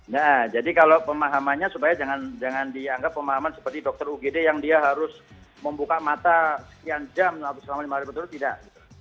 nah jadi kalau pemahamannya supaya jangan dianggap pemahaman seperti dokter ugd yang dia harus membuka mata sekian jam selama lima hari berturut tidak